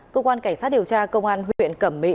cơ quan cảnh sát điều tra công an huyện cẩm mỹ